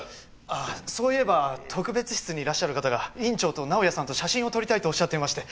あっそういえば特別室にいらっしゃる方が院長と直哉さんと写真を撮りたいとおっしゃっていまして。